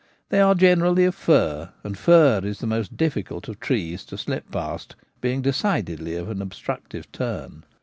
They are generally of fir ; and fir is the most difficult of trees to slip past, being decidedly of an obstructive turn.